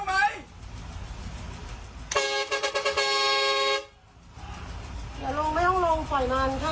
โอ้โหหลังจากนั้นเกิดอะไรขึ้นเนี่ยไปดูคลิปกันก่อนเลยนะครับ